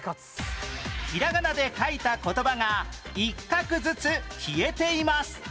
ひらがなで書いた言葉が一画ずつ消えています